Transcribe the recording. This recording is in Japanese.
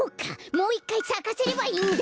もういっかいさかせればいいんだ！